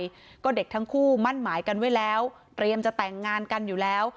แล้วก็เด็กทั้งคู่มั่นหมายกันไว้แล้วเตรียมจะแต่งงานกันอยู่แล้ว